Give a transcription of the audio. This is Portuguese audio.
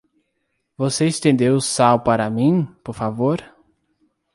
Você estendeu o sal para mim, por favor?